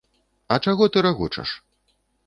А чаго ты рагочаш?